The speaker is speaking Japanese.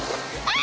あ！